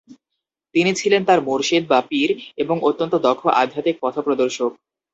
তিনি ছিলেন তার মুর্শিদ বা পীর এবং অত্যন্ত দক্ষ আধ্যাত্মিক পথপ্রদর্শক।